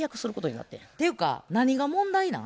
ていうか何が問題なん？